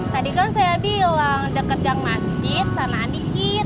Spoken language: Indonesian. tadi kan saya bilang deket gang masjid sanaan dikit